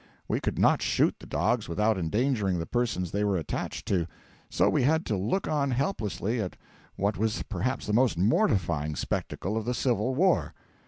We could not shoot the dogs without endangering the persons they were attached to; so we had to look on, helpless, at what was perhaps the most mortifying spectacle of the civil war.